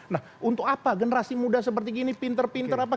nah untuk apa generasi muda seperti gini pinter pinter apa